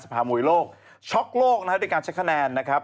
พามวยโลกช็อกโลกนะครับด้วยการใช้คะแนนนะครับ